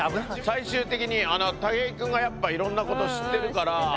最終的に武井君がやっぱいろんなこと知ってるから。